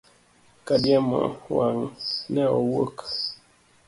Kadiemo wang', ne wawuok.